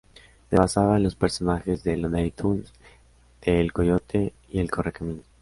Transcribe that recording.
Se basaba en los personajes de Looney Tunes de El Coyote y el Correcaminos.